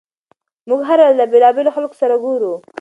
موږ هره ورځ له بېلابېلو خلکو سره ګورو.